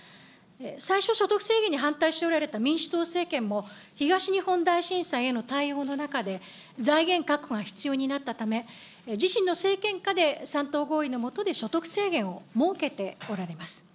最初、所得制限に反対しておられた民主党政権も、東日本大震災への対応の中で、財源確保が必要になったため、自身の政権下で、３党合意のもとで所得制限を設けておられます。